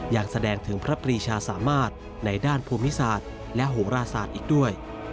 ยังแสดงถึงพระปรีชาสามารถในด้านภูมิศาสตร์และโหราศาสตร์อีกด้วย